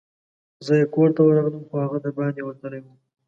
زه یې کور ته ورغلم، خو هغه دباندي وتلی وو.